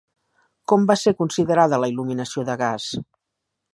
Com va ser considerada la il·luminació de gas?